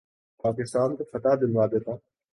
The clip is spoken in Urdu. پاکستان کو فتح دلوا دیتا